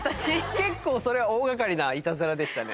結構それは大掛かりなイタズラでしたね。